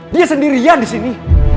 dia sendirian di sini